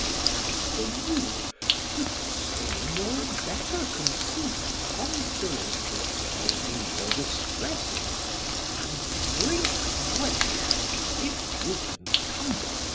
As for you, with the same or a better conceit consolate yourselves in your distresses, and drink fresh if you can come by it.